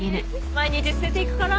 毎日捨てていくから？